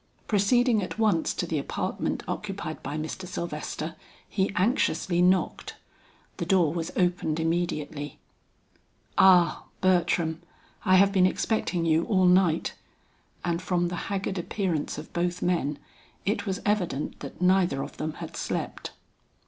Proceeding at once to the apartment occupied by Mr. Sylvester, he anxiously knocked. The door was opened immediately. "Ah, Bertram, I have been expecting you all night." And from the haggard appearance of both men, it was evident that neither of them had slept.